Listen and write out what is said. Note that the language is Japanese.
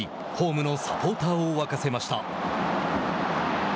ホームのサポーターを沸かせました。